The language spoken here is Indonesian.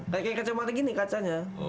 kayak kacamata gini kacanya